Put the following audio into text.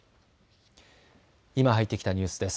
今、入ってきたニュースです。